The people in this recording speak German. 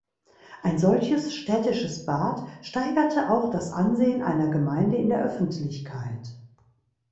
Ein solches städtisches Bad steigerte auch das Ansehen einer Gemeinde in der Öffentlichkeit.